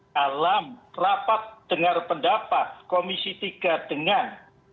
dalam rapat dengar pendapat komisi tiga dengan